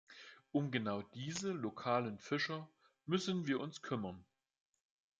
Um genau diese lokalen Fischer müssen wir uns kümmern.